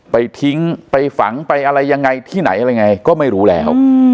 ไปทิ้งไปฝังไปอะไรยังไงที่ไหนอะไรยังไงก็ไม่รู้แล้ว